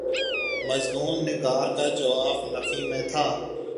مضمون نگار کا جواب نفی میں تھا۔